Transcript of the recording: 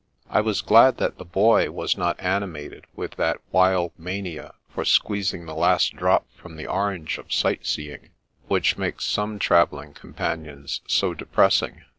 I was glad that the Boy was not animated with that wild mania for squeezing the last drop from the orange of sight seeing which makes some travelling companions so depressing.